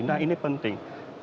nah ini penting